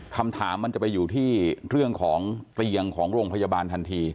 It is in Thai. คำถามมันจะไปอยู่ที่เรื่องของเตียงของโรงพยาบาลทันที